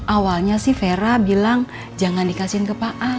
awalnya sih fira bilang jangan dikasihin ke pak al